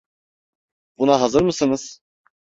Buna hazır mısınız?